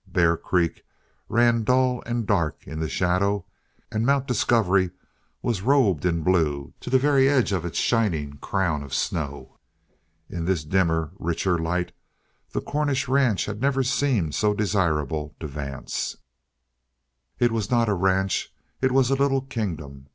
Bear Creek ran dull and dark in the shadow, and Mount Discovery was robed in blue to the very edge of its shining crown of snow. In this dimmer, richer light the Cornish ranch had never seemed so desirable to Vance. It was not a ranch; it was a little kingdom.